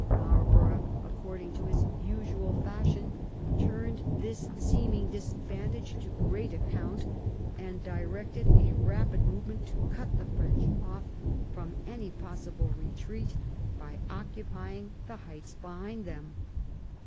Marlborough, according to his usual fash ion, turned this seeming disadvantage to great account, and directed a rapid movement to cut the Erench ofF from any possible retreat by occupying the heights be hind them.